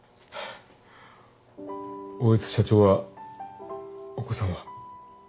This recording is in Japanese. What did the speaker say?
大悦社長はお子さんは。